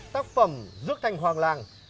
tác phẩm dước thanh hoàng làng